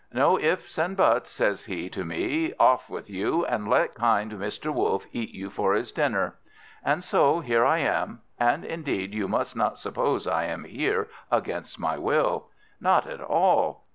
'No ifs and buts,' says he to me 'off with you, and let kind Mr. Wolf eat you for his dinner.' And so here I am. And indeed, you must not suppose I am here against my will; not at all.